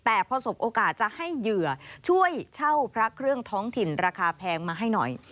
แต่พอสมโอกาสจะให้เหยื่อช่วยเช่าพระเครื่องท้องถิ่นราคาแพงมาให้หน่อย